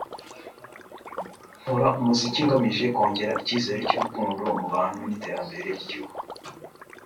"Nkora umuziki ngamije kongera icyizere cy'urukundo mu bantu n'iterambere ry'igihugu